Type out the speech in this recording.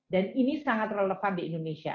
dan ini sangat relevan di indonesia